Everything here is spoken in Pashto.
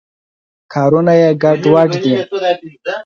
کارونه یې ګډوډ دي.